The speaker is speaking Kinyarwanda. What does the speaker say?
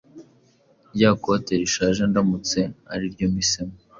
rya kote rishaje ndamutse ariryo mpisemo.